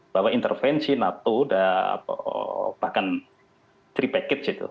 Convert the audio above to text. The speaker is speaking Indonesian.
bahwa intervensi nato bahkan three package itu